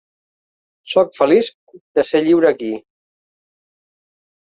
Sóc feliç de ser lliure aquí.